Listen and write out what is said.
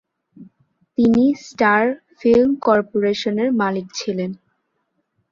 তিনি star film কর্পোরেশনের মালিক ছিলেন।